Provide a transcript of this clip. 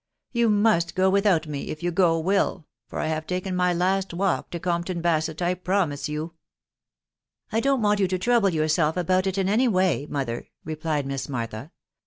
... You must go without me, if go you for I have taken my last walk to Compton Basett, I pro you." I don't want you to trouble yourself about it in any way, er," replied Miss Martha.